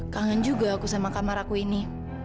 kangen juga aku sama kamar aku ini